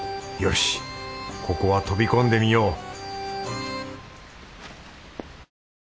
よしここは飛び込んでみよう！